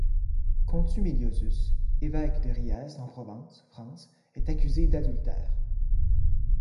Contumeliosus, évêque de Riez, en Provence, France, est accusé d'adultère.